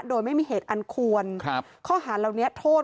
โดยไม่มีเหตุอันควรครับข้อหาเหล่านี้โทษ